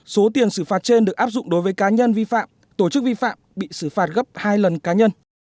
số tiền xử phạt trên được áp dụng đối với cá nhân vi phạm tổ chức vi phạm bị xử phạt gấp hai lần cá nhân